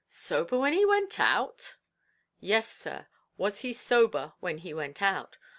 "Sober when he went out?" "Yes, sir; was he sober when he went out?"